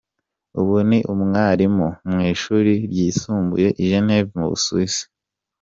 Ubu ni umwarimu mu ishuri ryisumbuye i Genève mu Busuwisi.